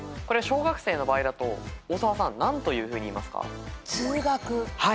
これは小学生の場合だと大沢さん何というふうに言いますか？